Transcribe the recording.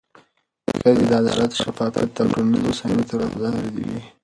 ښځې د عدالت، شفافیت او ټولنیزې هوساینې طرفداره وي.